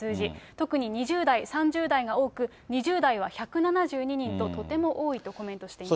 特に２０代、３０代が多く、２０代は１７２人と、とても多いとコメントしています。